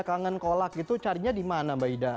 mbak ida kangen kolak gitu carinya dimana mbak ida